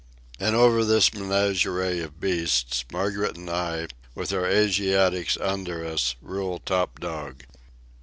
And over this menagerie of beasts Margaret and I, with our Asiatics under us, rule top dog.